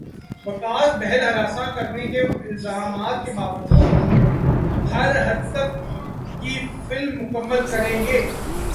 وکاس بہل ہراساں کرنے کے الزامات کے باوجود ہریتھک کی فلم مکمل کریں گے